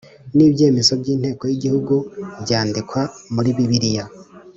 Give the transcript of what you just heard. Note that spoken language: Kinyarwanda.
n ibyemezo by Inteko y Igihugu byandikwa muri bibiliya